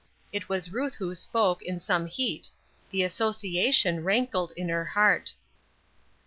It was Ruth who spoke, in some heat; the association rankled in her heart.